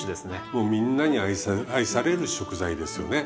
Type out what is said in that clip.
もうみんなに愛される食材ですよね。